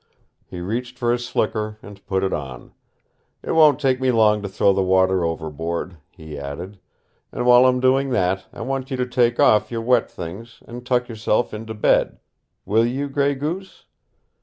He reached for his slicker and put it on. "It won't take me long to throw the water overboard," he added. "And while I'm doing that I want you to take OFF your wet things and tuck yourself into bed. Will you, Gray Goose?"